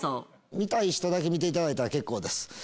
見たい人だけ見ていただいたら結構です。